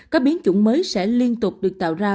các biến chủng mới sẽ liên tục được tạo ra